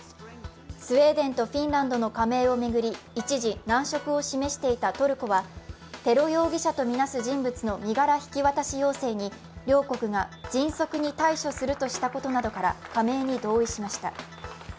スウェーデンとフィンランドの加盟を巡り一時難色を示していたトルコはテロ容疑者とみなす人物の身柄引き渡し要請に両国が迅速に対処するとしたことなどから加盟に同意しました。